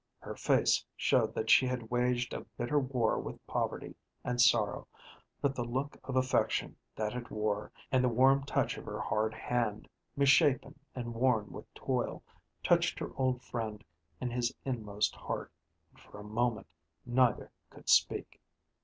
Her face showed that she had waged a bitter war with poverty and sorrow, but the look of affection that it wore, and the warm touch of her hard hand, misshapen and worn with toil, touched her old friend in his inmost heart, and for a minute neither could speak.